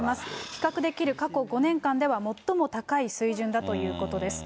比較できる過去５年間では、最も高い水準だということです。